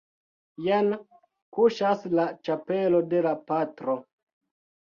Jen kuŝas la ĉapelo de la patro.